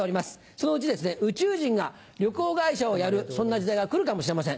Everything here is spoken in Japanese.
そのうち宇宙人が旅行会社をやるそんな時代が来るかもしれません。